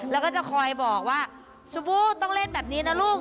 แล้วก็จะคอยบอกว่าชมพู่ต้องเล่นแบบนี้นะลูก